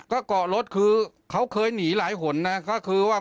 ก็เกาะรถคือเขาเคยหนีหลายหนนะก็คือว่า